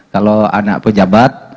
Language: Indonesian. kalau anak pejabat